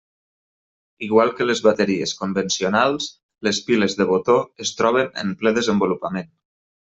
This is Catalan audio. Igual que les bateries convencionals, les piles de botó es troben en ple desenvolupament.